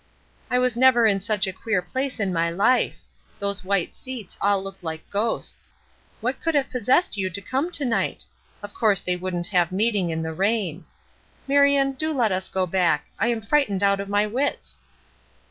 "I was never in such a queer place in my life! Those white seats all look like ghosts. What could have possessed you to come to night? Of course they wouldn't have meeting in the rain! Marion, do let us go back; I am frightened out of my wits!"